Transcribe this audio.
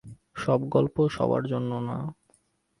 সব গল্প সবার জন্যে না।